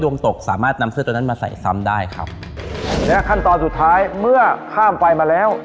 ตกสามารถนำเสื้อตัวนั้นมาใส่ซ้ำได้ครับและขั้นตอนสุดท้ายเมื่อข้ามไปมาแล้ว